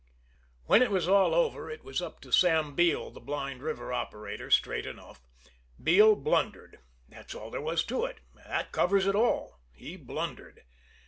When it was all over, it was up to Sam Beale, the Blind River operator, straight enough. Beale blundered. That's all there was to it; that covers it all he blundered.